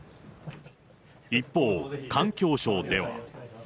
一方、環境省では。